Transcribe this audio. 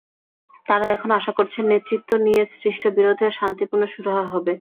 তাঁরা এখনো আশা করছেন, নেতৃত্ব নিয়ে সৃষ্ট বিরোধের শান্তিপূর্ণ সুরাহা হবে।